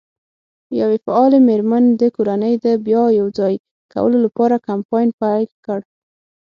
یوه فعالې مېرمن د کورنۍ د بیا یو ځای کولو لپاره کمپاین پیل کړ.